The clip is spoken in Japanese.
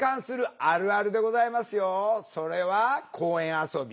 それは公園遊び。